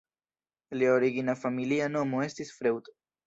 Lia origina familia nomo estis "Freud".